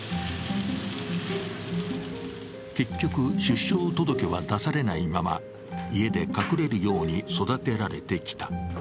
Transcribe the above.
結局、出生届は出されないまま家で隠れるように育てられてきた。